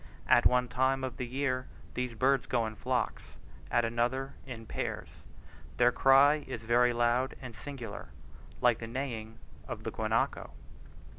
At one time of the year these birds go in flocks, at another in pairs, their cry is very loud and singular, like the neighing of the guanaco.